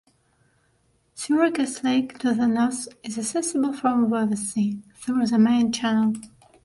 Syracuse Lake to the north is accessible from Wawasee through the 'Main Channel.